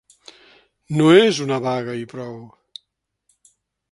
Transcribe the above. No és una vaga i prou.